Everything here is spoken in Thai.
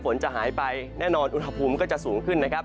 ฝนจะหายไปแน่นอนอุณหภูมิก็จะสูงขึ้นนะครับ